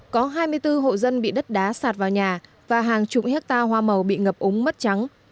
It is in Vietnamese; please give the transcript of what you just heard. có hai mươi bốn hộ dân bị đất đá sạt vào nhà và hàng chục hectare hoa màu bị ngập úng mất trắng